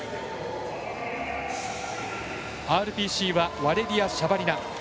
ＲＰＣはワレリヤ・シャバリナ。